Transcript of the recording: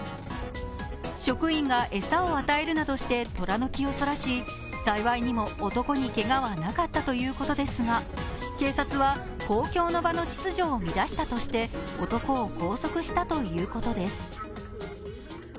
職員が餌を与えるなどして虎の気をそらし、幸いにも男にけがはなかったということですが警察は公共の場の秩序を乱したとして男を拘束したということです。